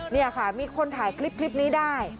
นี่ค่ะมีคนถ่ายคลิปนี้ได้